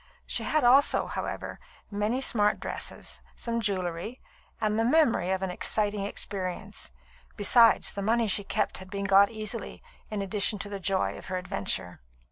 She had also, however, many smart dresses, some jewellery, and the memory of an exciting experience. Besides, the money she kept had been got easily, in addition to the joy of her adventure.